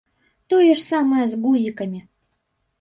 Тое ж самае з гузікамі.